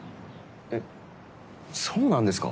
えっそうなんですか？